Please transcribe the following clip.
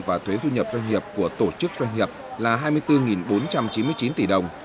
và thuế thu nhập doanh nghiệp của tổ chức doanh nghiệp là hai mươi bốn bốn trăm chín mươi chín tỷ đồng